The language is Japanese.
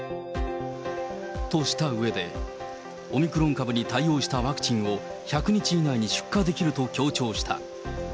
としたうえで、オミクロン株に対応したワクチンを１００日以内に出荷できると強調した。